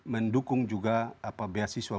mendukung juga beasiswa